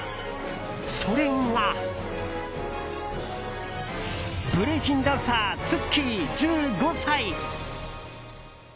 それがブレイキンダンサーＴｓｕｋｋｉ、１５歳。